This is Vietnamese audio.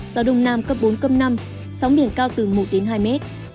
gió đông nam cấp bốn năm sóng biển cao từ một hai m